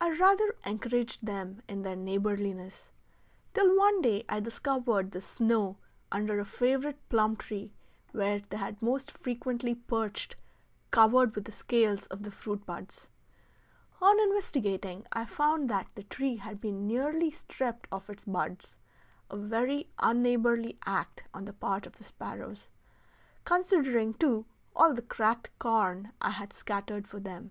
I rather encouraged them in their neighborliness, till one day I discovered the snow under a favorite plum tree where they most frequently perched covered with the scales of the fruit buds. On investigating I found that the tree had been nearly stripped of its buds a very unneighborly act on the part of the sparrows, considering, too, all the cracked corn I had scattered for them.